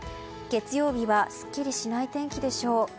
月曜日はすっきりしない天気でしょう。